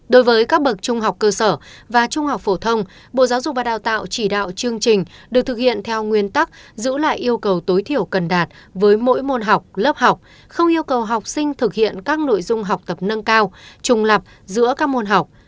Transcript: đối với các bậc trung học cơ sở và trung học phổ thông bộ giáo dục và đào tạo chỉ đạo chương trình được thực hiện theo nguyên tắc giữ lại yêu cầu tối thiểu cần đạt với mỗi môn học lớp học không yêu cầu học sinh thực hiện các nội dung học tập nâng cao trùng lập giữa các môn học